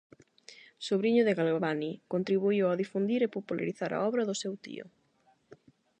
Sobriño de Galvani, contribuíu a difundir e popularizar a obra do seu tío.